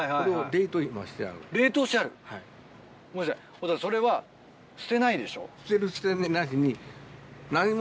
お父さんそれは捨てないでしょ？